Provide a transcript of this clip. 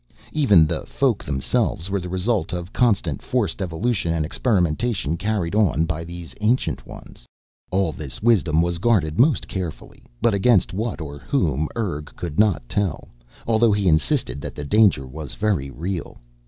Even the Folk themselves were the result of constant forced evolution and experimentation carried on by these Ancient Ones. All this wisdom was guarded most carefully, but against what or whom, Urg could not tell, although he insisted that the danger was very real.